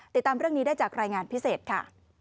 ติดตามเรื่องนี้ได้จากรายงานพิเศษค่ะ